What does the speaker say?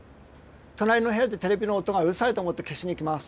隣の部屋でテレビの音がうるさいと思って消しに行きます。